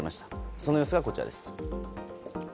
その様子がこちら。